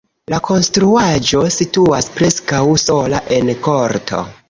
La konstruaĵo situas preskaŭ sola en korto.